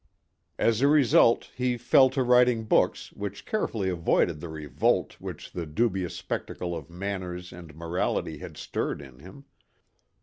As a result he fell to writing books which carefully avoided the revolt which the dubious spectacle of manners and morality had stirred in him.